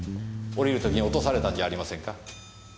降りる時に落とされたんじゃありませんか？